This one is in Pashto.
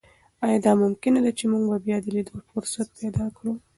ایا دا ممکنه ده چې موږ بیا د لیدو فرصت پیدا کړو؟